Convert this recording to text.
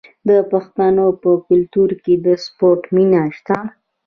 د پښتنو په کلتور کې د سپورت مینه شته.